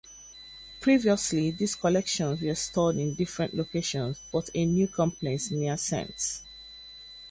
Previously, these collections were stored in different locations, but a new complex near St.